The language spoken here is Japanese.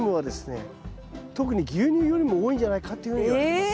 特に牛乳よりも多いんじゃないかっていうふうにいわれてます。